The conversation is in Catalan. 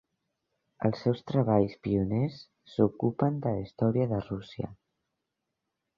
Els seus treballs pioners s'ocupen de la història de Rússia.